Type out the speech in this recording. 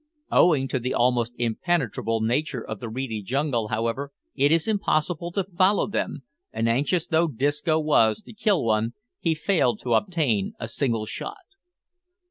Owing to the almost impenetrable nature of the reedy jungle, however, it is impossible to follow them, and anxious though Disco was to kill one, he failed to obtain a single shot.